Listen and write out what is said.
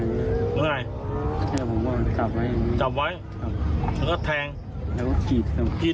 แล้วไงแล้วผมก็จับไว้อย่างงี้จับไว้ครับแล้วก็แทงแล้วก็กรีด